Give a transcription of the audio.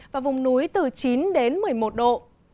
và vùng núi từ chín một mươi một độ